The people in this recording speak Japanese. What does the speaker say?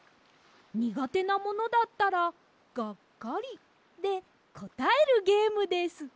にがてなものだったらがっかり」でこたえるゲームです！